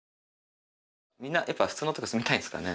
みんなやっぱ普通のとこに住みたいんですかね？